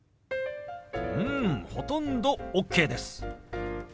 うんほとんどＯＫです。